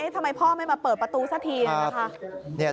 ทำไมพ่อไม่มาเปิดประตูสักทีนะคะ